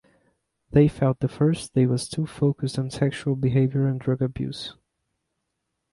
They felt the first day was too focused on sexual behavior and drug abuse.